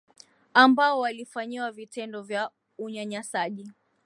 ambao walifanyiwa vitendo vya unyanyasaji